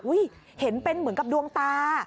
เห็นเป็นเหมือนกับดวงตา